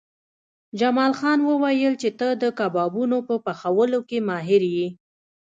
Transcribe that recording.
جمال خان وویل چې ته د کبابونو په پخولو کې ماهر یې